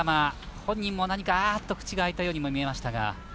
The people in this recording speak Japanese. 本人も「あー！」と口が開いたように見えましたが。